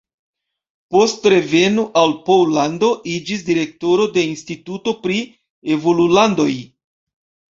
Post reveno al Pollando iĝis direktoro de Instituto pri Evolulandoj.